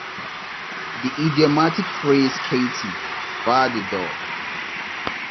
The idiomatic phrase Katy, bar the door!